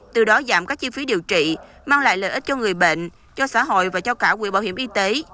từ đó giảm các chi phí điều trị mang lại lợi ích cho người bệnh cho xã hội và cho cả quỹ bảo hiểm y tế